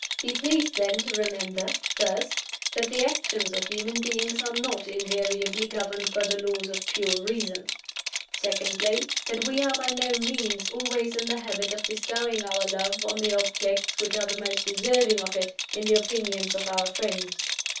Be pleased, then, to remember (First): That the actions of human beings are not invariably governed by the laws of pure reason. (Secondly): That we are by no means always in the habit of bestowing our love on the objects which are the most deserving of it, in the opinions of our friends.